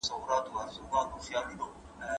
لارښود استاد خپلو شاګردانو ته تل مشوره ورکوي.